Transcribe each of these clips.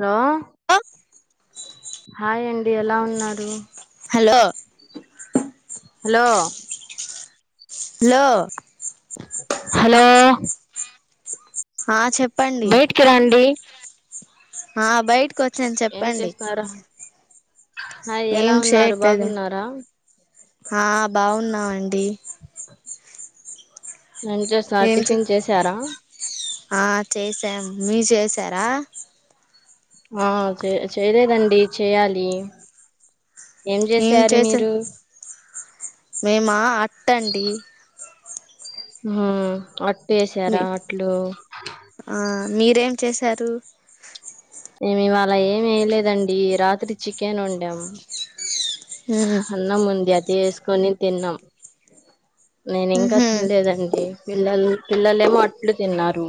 Hello అ hi అండి ఎలా ఉన్నారు హలో హలో లో హలో ఆ చెప్ బయటకి రండి ఆ బయటకి ఒ చన్ ఏం చెప్పండి చేస్తున్నారా హాయ్ ఎలా ఏం ఉన్నారు చేయట్లేద బాగున్నారా ఆ బాగున్నామండి ఏం చేస్తన్నర్ ఏం చే టిఫిన్ చేసారా మీ చేశారా ఆ చే చేయలేదండి చేయాలి ఏం చేసారు చేసా మీరు మేమా అట్ట అండి హ్మ్ అట్ మీ వేసారా అట్లు ఆ మీరేం చేశారు మేమి ఇవాళ ఏం వేయలేదండి రాత్రి చికెన్ వండాం ఉహు అన్నం ఉంది అదే స్ కొని తిన్నాం నేను ఇంకా ఉహు తినలేదండి పిల్లల్ పిల్లలేమో అట్లు తిన్నారు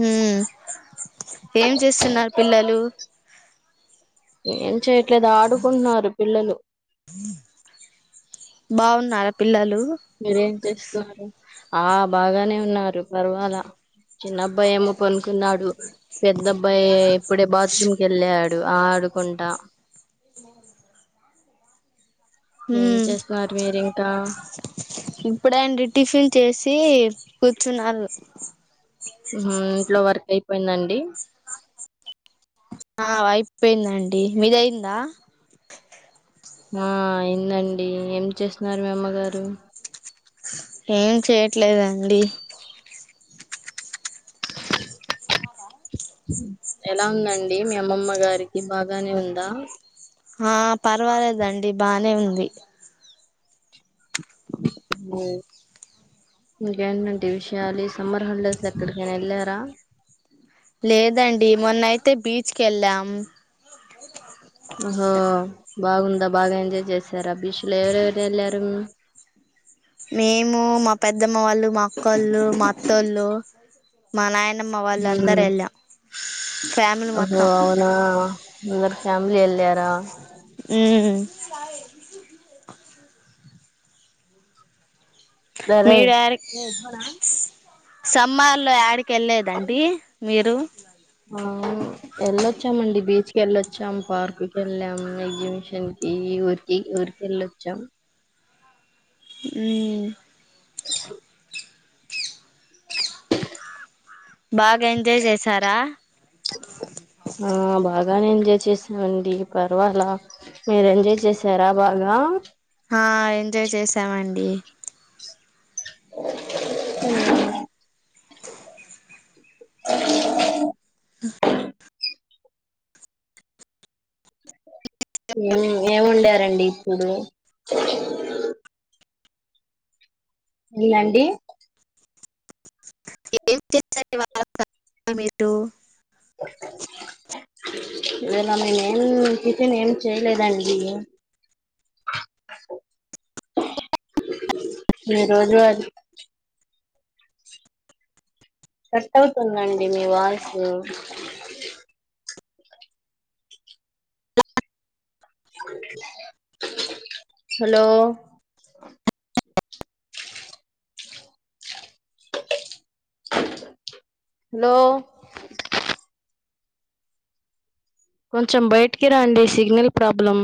హ్మ్ ఏం చేస్తున్నారు పిల్లలు ఏం చేయట్లేదు ఆడుకుంటున్నారు పిల్లలు బాగున్నారా పిల్లలు మీరేం చేస్తున్నారు ఆ బాగానే ఉన్నారు పర్వాల చిన్నబ్బాయి ఏమో పనుకున్నాడు పెద్ద అబ్బాయి ఇప్పుడే బాత్రూమ్ కెళ్ళాడు ఆడుకుంటా ఏం ఉమ్ చేస్తున్నారు మీరూ ఇంకా ఇప్పుడే అండి టిఫిన్ చేసి కూర్చున్నారు హూ హుమ్ ఇంట్లో వర్క్ అయిపోయిందండి ఆ అయిపోయిందండి మీది అయిందా ఆ అయిందండి ఏం చేస్తున్నారు మీ అమ్మగారు ఏం చేయట్లేదండి ఎలా ఉందండి మీ అమ్మమ్మ గారికి బాగానే ఉందా ఆ పర్వాలేదండి బానే ఉంది మ్ ఇంకేంటంటి విషయాలు ఈ సమ్మర్ హాలిడేస్ లొ ఎక్కడికైనా వెళ్ళారా లేదండి మొన్నయితే బీచ్ కెళ్ళాం ఆహా బాగుందా బాగా ఎంజాయ్ చేశారా బీచ్లో ఎవరెవరు ఎళ్లారు. మేము మా పెద్దమ్మ వళ్ళు మా అక్కోళ్ళు మా అత్తోళ్ళు మా నాయన్ మవాళ్ళందరూ వెళ్ళాం ఫ్యామిలీ ఒహో మొత్తం అవునా అందరూ ఫ్యామిలీ ఎల్లారా హ్మ్ సాయ్ సరే సమ్మర్లో యాడిక్ కెల్లేదండి మీరు ఆ ఎళ్ళొచ్చామండి బీచ్కి ఎళ్ళొచ్చాం పార్క్ కి ఎళ్ళాం ఎగ్జిబిషన్ కి ఈ ఊరికి ఊరికి ఎళ్ళొచ్చాం. హ్మ్ బాగా ఎంజాయ్ చేసారా బానే ఎంజాయ్ చేసావండి పర్వాలా మీరు ఎంజాయ్ చేసారా బాగా హా ఎంజాయ్ చేసామండి ఏమేం ఏమున్ డారండి ఇప్పుడు నీలండి ఏం చేస్తారు ఇవాళ మీరు ఇవాళ నేనేం టిఫిన్ ఏం చేయలేదండి. ఈరోజు అద్ కట్ అవుతుందండి మీ వాయిసు హలో హలో కొంచెం బయటికి రండి సిగ్నల్ ప్రాబ్లం